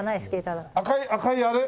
あっ赤い赤いあれ？